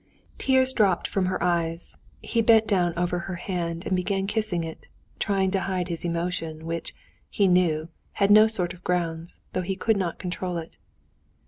Tears dropped from her eyes; he bent down over her hand and began kissing it, trying to hide his emotion, which, he knew, had no sort of grounds, though he could not control it.